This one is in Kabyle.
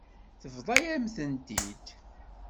Tebḍa-yam-tent-id.